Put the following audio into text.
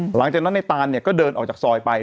หลังจากนั้นในตานเนี่ยก็เดินออกจากซอยไป